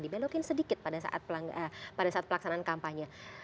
dibelokin sedikit pada saat pelaksanaan kampanye